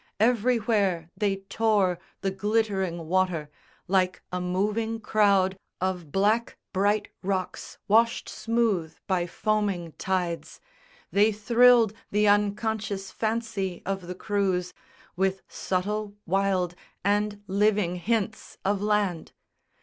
Everywhere they tore The glittering water. Like a moving crowd Of black bright rocks washed smooth by foaming tides, They thrilled the unconscious fancy of the crews With subtle, wild, and living hints of land.